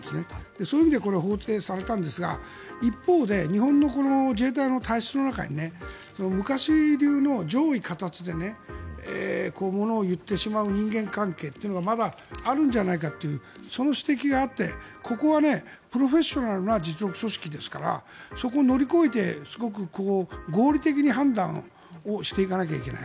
そういう意味で法定されたんですが一方で自衛隊の体制の中で昔流の上意下達でものを言ってしまう人間関係がまだあるんじゃないかというその指摘があってここはプロフェッショナルな実力組織ですからそこを乗り越えてすごく合理的に判断をしていかなきゃいけない。